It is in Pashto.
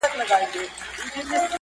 او په نورو ولایتونه کې